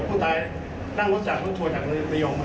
พูดถ่ายนั่งรถจักรรถโบราณจักรเลยไปออกมา